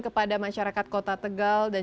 kepada masyarakat kota tegal dan